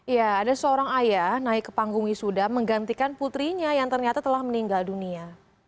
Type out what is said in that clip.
ya ada seorang ayah naik ke panggung wisuda menggantikan putrinya yang ternyata telah meninggal dunia